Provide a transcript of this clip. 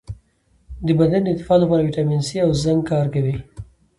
د بدن د دفاع لپاره ویټامین سي او زنک وکاروئ